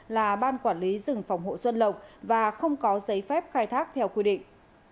là ban quản lý rừng phòng hộ xuân lộc và không có giấy phép khai thác theo quy định